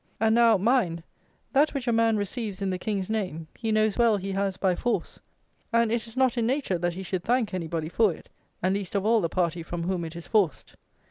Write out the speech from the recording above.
And, now, mind, that which a man receives in the king's name, he knows well he has by force; and it is not in nature that he should thank anybody for it, and least of all the party from whom it is forced.